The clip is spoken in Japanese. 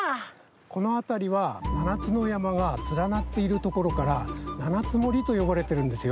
このあたりは７つのやまがつらなっているところから七ツ森とよばれてるんですよ。